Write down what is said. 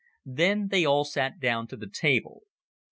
Then they all sat down to the table.